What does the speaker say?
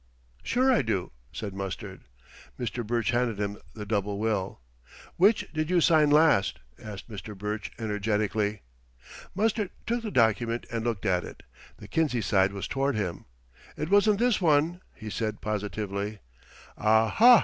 "Sure, I do," said Mustard. Mr. Burch handed him the double will. "Which did you sign last?" asked Mr. Burch energetically. Mustard took the document and looked at it. The Kinsey side was toward him. "It wasn't this one," he said positively. "Ah, ha!"